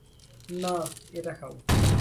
না, এটা খাও।